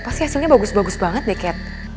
pasti hasilnya bagus bagus banget deh cat